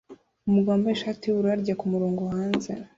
Umugabo wambaye ishati yubururu arya kumurongo hanze